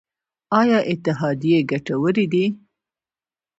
آیا اتحادیې ګټورې دي؟